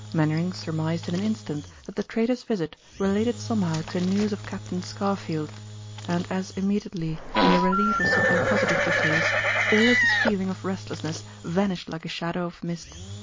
Mainwaring surmised in an instant that the trader's visit related somehow to news of Captain Scarfield, and as immediately, in the relief of something positive to face, all of his feeling of restlessness vanished like a shadow of mist.